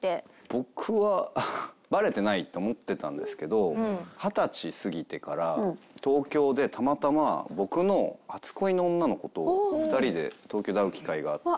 僕はバレてないって思ってたんですけど二十歳過ぎてから東京でたまたま僕の初恋の女の子と２人で東京で会う機会があって。